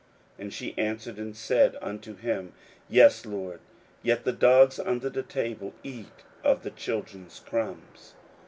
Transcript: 41:007:028 And she answered and said unto him, Yes, Lord: yet the dogs under the table eat of the children's crumbs.